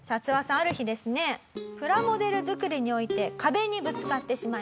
ある日ですねプラモデル作りにおいて壁にぶつかってしまいます。